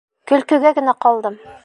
Көлкөгә генә ҡалдым!